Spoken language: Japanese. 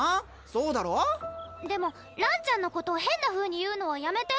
そうだろでもらんちゃんのこと変なふうに言うのはやめて！